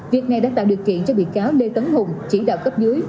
việc này đã tạo điều kiện cho bị cáo lê tấn hùng chỉ đạo cấp dưới